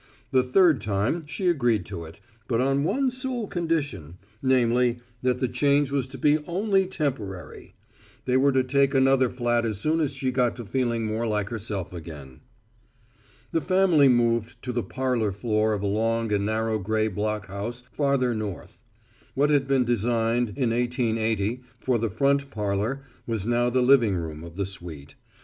The third time she agreed to it, but on one sole condition, namely, that the change was to be only temporary. They were to take another flat as soon as she got to feeling more like herself again. The family moved to the parlor floor of a long and narrow gray block house farther north. What had been designed, in 1880, for the front parlor was now the living room of the suite.